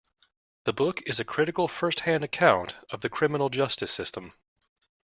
The book is a critical first hand account of the criminal justice system.